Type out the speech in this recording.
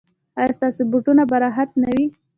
ایا ستاسو بوټونه به راحت نه وي؟